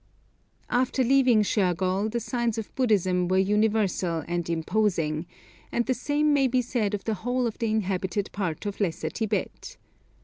[Illustration: TIBETAN GIRL] After leaving Shergol the signs of Buddhism were universal and imposing, and the same may be said of the whole of the inhabited part of Lesser Tibet.